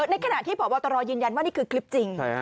ในขณะที่พบตรยืนยันว่านี่คือคลิปจริง